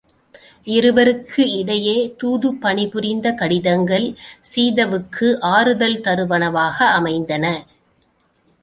இருவருக்கிடையே தூதுப்பணி புரிந்த கடிதங்கள், சீதவுக்கு ஆறுதல் தருவனவாக அமைந்தன.